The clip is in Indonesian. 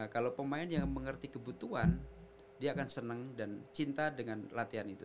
kalau pemain yang mengerti kebutuhan dia akan senang dan cinta dengan latihan itu